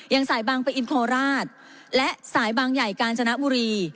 สายบางปะอินโคราชและสายบางใหญ่กาญจนบุรี